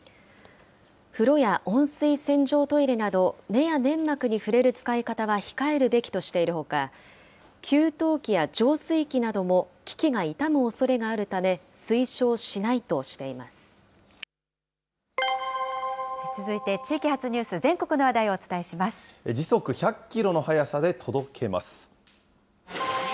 風呂や温水洗浄トイレなど、目や粘膜に触れる使い方は控えるべきとしているほか、給湯器や浄水器なども機器が傷むおそれがあるため、推奨しないと続いて地域発ニュース、全国時速１００キロの速さで届けます。